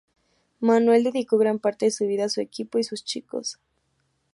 Manuel dedicó gran parte de su vida a su equipo y sus chicos.